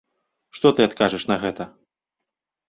Што ты адкажаш на гэта?